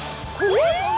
えっ？